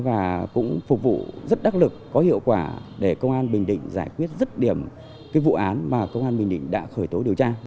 và cũng phục vụ rất đắc lực có hiệu quả để công an bình định giải quyết rứt điểm cái vụ án mà công an bình định đã khởi tố điều tra